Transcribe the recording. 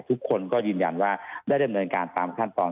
ทุกคนก็ยืนยันว่าได้ดำเนินการตามขั้นตอน